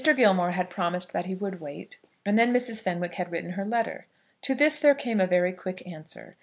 Gilmore had promised that he would wait, and then Mrs. Fenwick had written her letter. To this there came a very quick answer.